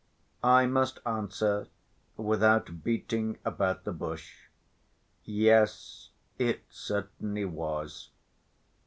I must answer without beating about the bush, "Yes, it certainly was."